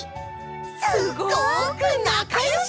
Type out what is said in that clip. すごくなかよし！